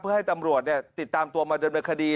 เพื่อให้ตำรวจเนี่ยติดตามตัวมาเดินในคดี